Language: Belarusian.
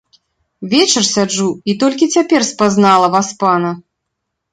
Вечар сяджу і толькі цяпер спазнала васпана.